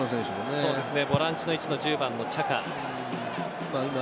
ボランチの位置の１０番のチャカ。